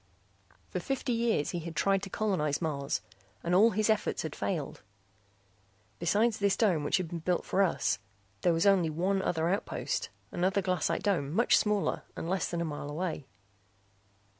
For fifty years he had tried to colonize Mars and all his efforts had failed. Besides this dome which had been built for us there was only one other outpost, another glassite dome much smaller and less than a mile away.